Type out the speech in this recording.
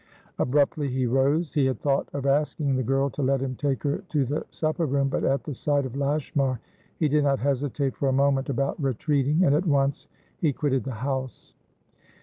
Abruptly he rose. He had thought of asking the girl to let him take her to the supper room, but at the sight of Lashmar he did not hesitate for a moment about retreating. And at once he quitted the house.